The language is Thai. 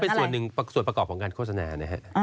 เป็นส่วนหนึ่งส่วนประกอบของการโฆษณานะฮะ